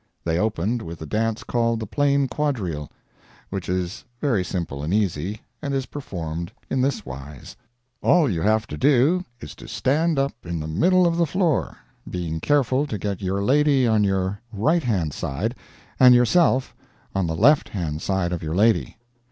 They opened with the dance called the plain quadrille, which is very simple and easy, and is performed in this wise: All you have to do is to stand up in the middle of the floor, being careful to get your lady on your right hand side, and yourself on the left hand side of your lady.